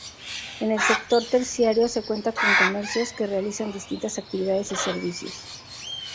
En el sector terciario se cuenta con comercios que realizan distintas actividades y servicios.